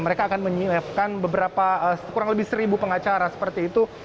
mereka akan menyiapkan beberapa kurang lebih seribu pengacara seperti itu